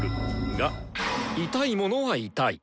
が痛いものは痛い。